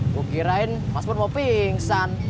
gua kirain mas pur mau pingsan